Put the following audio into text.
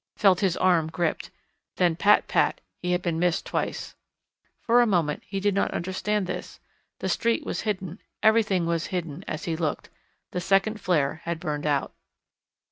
Felt his arm gripped. Then, pat, pat; he had been missed twice. For a moment he did not understand this. The street was hidden, everything was hidden, as he looked. The second flare had burned out.